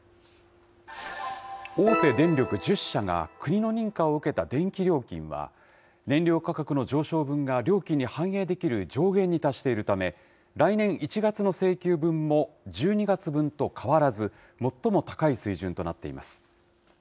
大手電力１０社が国の認可を受けた電気料金は、燃料価格の上昇分が料金に反映できる上限に達しているため、来年１月の請求分も１２月分と変わらず、最も高い水準となっています。